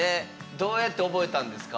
どうやって覚えたんですか？